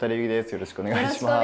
よろしくお願いします。